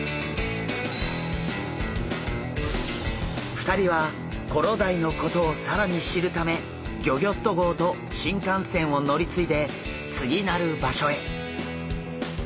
２人はコロダイのことを更に知るためギョギョッと号と新幹線を乗り継いで次なる場所へ。